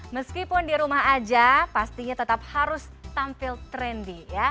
meskipun di rumah aja pastinya tetap harus tampil trendy ya